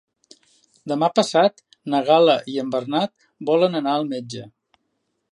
Demà passat na Gal·la i en Bernat volen anar al metge.